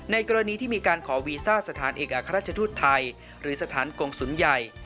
กรณีที่มีการขอวีซ่าสถานเอกอัครราชทูตไทยหรือสถานกงศูนย์ใหญ่